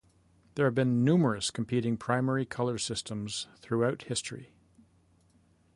There have numerous competing primary colour systems throughout history.